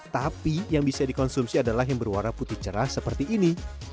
tapi yang bisa dikonsumsi adalah yang berwarna putih cerah seperti ini